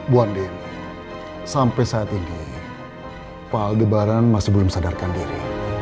bu andien sampai saat ini pak aldebaran masih belum sadarkan diri